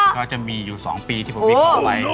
ก็จะมีอยู่๒ปีที่ผมวิเคราะห์ไว้